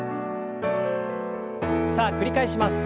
さあ繰り返します。